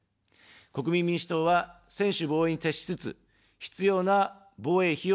国民民主党は、専守防衛に徹しつつ、必要な防衛費を増額します。